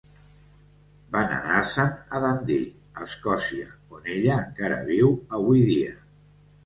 Van anar-se'n a Dundee, Escòcia, on ella encara viu avui dia.